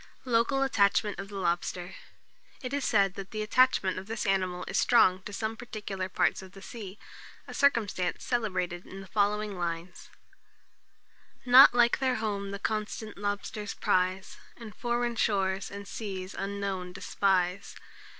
LOCAL ATTACHMENT OF THE LOBSTER. It is said that the attachment of this animal is strong to some particular parts of the sea, a circumstance celebrated in the following lines: "Nought like their home the constant lobsters prize, And foreign shores and seas unknown despise.